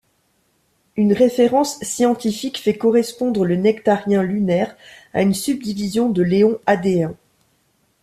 Une référence scientifique fait correspondre le Nectarien lunaire à une subdivision de l'éon Hadéen.